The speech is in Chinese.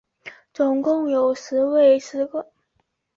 总共有十个参赛者赢得了数目不等的奖金。